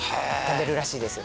食べるらしいです